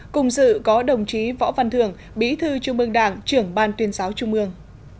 cùng dự có đồng chí võ văn thường bí thư trung mương đảng trưởng ban tuyên giáo trung mương